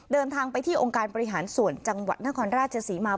เดินทางไปที่องค์การบริหารส่วนจังหวัดนครราชศรีมา